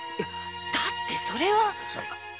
だってそれは。